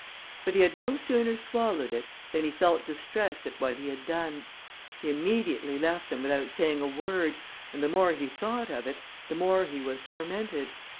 But he had no sooner swallowed it, than he felt distressed at what he had done. He immediately left them without saying a word, and the more he thought of it, the more he was tormented.